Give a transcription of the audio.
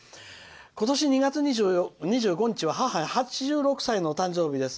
「今年２月２５日は母の８６歳のお誕生日です」。